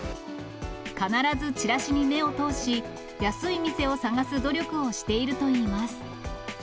必ずチラシに目を通し、安い店を探す努力をしているといいます。